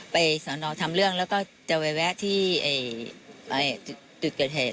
สอนอทำเรื่องแล้วก็จะไปแวะที่จุดเกิดเหตุ